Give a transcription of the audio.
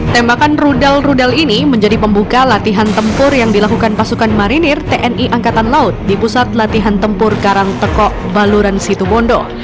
tembakan rudal rudal ini menjadi pembuka latihan tempur yang dilakukan pasukan marinir tni angkatan laut di pusat latihan tempur karangtekok baluran situbondo